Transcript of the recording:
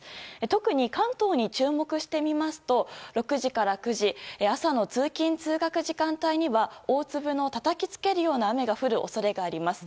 特に関東に注目してみますと６時から９時朝の通勤・通学時間帯には大粒のたたきつけるような雨が降る恐れがあります。